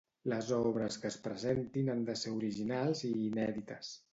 Les obres que es presentin han de ser originals i inèdites.